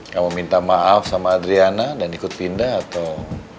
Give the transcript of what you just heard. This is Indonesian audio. kamu minta maaf sama adriana dan ikut pindah atau